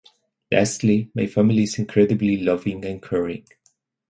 Lastly, my family is incredibly loving and caring.